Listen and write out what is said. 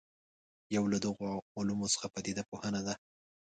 یو له دغو علومو څخه پدیده پوهنه ده.